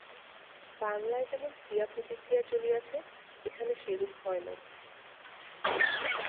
বাঙলায় যেমন ক্রিয়া-প্রতিক্রিয়া চলিয়াছে, এখানে সেরূপ হয় নাই।